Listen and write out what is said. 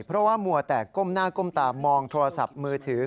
เพราะว่ามัวแตกก้มหน้าก้มตามองโทรศัพท์มือถือ